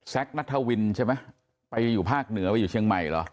นัทธวินใช่ไหมไปอยู่ภาคเหนือไปอยู่เชียงใหม่เหรอ